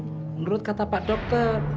menurut kata pak dokter